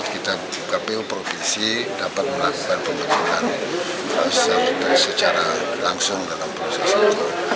kita kpu provinsi dapat melakukan pembentukan secara langsung dalam proses itu